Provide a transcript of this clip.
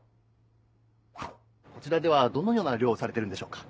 こちらではどのような漁をされてるんでしょうか。